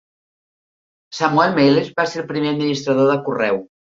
Samuel Miles va ser el primer administrador de correu.